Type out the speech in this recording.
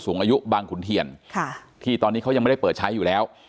อายุบางขุนเทียนที่ตอนนี้เขายังไม่ได้เปิดใช้อยู่แล้ว